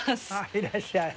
いらっしゃい。